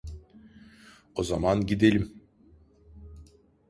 O zaman gidelim.